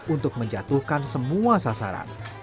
untuk menjatuhkan semua sasaran